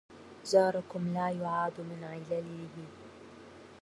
جاركم لا يعاد من علله